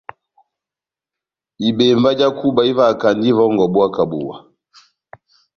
Ibembá já kuba ivahakand'ivòngò buwa kà buwa.